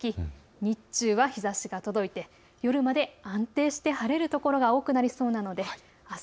日中は日ざしが届いて夜まで安定して晴れる所が多くなりそうなんです。